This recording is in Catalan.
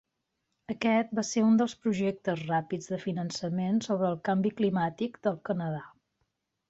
Aquest va ser un dels projectes ràpids de finançament sobre canvi climàtic del Canadà.